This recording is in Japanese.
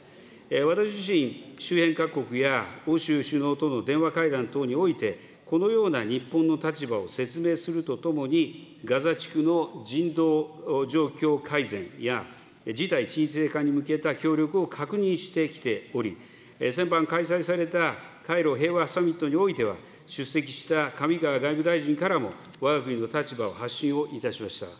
私自身、周辺各国や欧州首脳との電話会談等において、このような日本の立場を説明するとともに、ガザ地区の人道状況改善や、事態鎮静化に向けた協力を確認してきており、先般開催されたカイロ平和サミットにおいては、出席した上川外務大臣からも、わが国の立場を発信をいたしました。